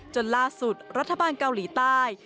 จนล่าสุดรัฐบาลเกาหลีใต้